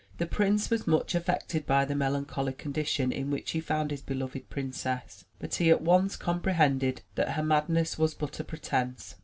The prince was much affected at the melancholy condition in which he found his beloved princess, but he at once compre hended that her madness was but a pretence.